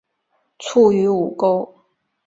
卒于午沟。